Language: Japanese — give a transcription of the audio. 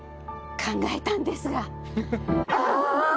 考えたんですが。